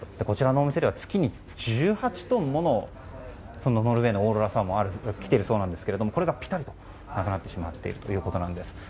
こちらのお店では月に１８トンものノルウェーのオーロラサーモンがきているそうなんですけれどもこれがぴたりとなくなってしまっているということなんです。